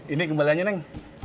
ini kembaliannya neng